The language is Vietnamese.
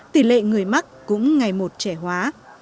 tỷ lệ người mắc cũng ngày một trẻ hóa